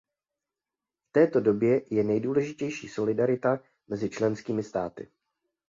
V této době je nejdůležitější solidarita mezi členskými státy.